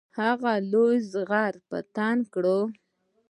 هغه لویه زغره په تن کړه.